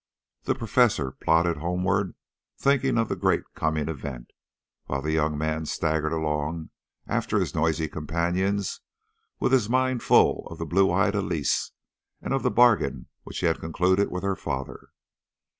The Professor plodded homeward, thinking of the great coming event, while the young man staggered along after his noisy companions, with his mind full of the blue eyed Elise, and of the bargain which he had concluded with her father.